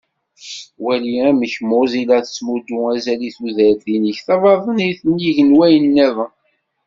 Wali amek Mozilla tettmuddu azal i tudert-inek tabaḍnit nnig n wayen-nniḍen.